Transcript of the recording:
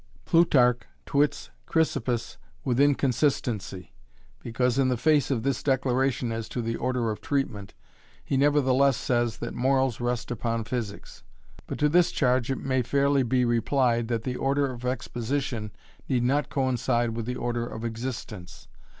Plutarch twits Chrysippus with inconsistency, because in the face of this declaration as to the order of treatment, he nevertheless says that morals rest upon physics. But to this charge it may fairly be replied that the order of exposition need not coincide with the order of existence.